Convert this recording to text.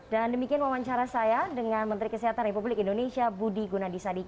dan demikian wawancara saya dengan menteri kesehatan republik indonesia budi gunadiswa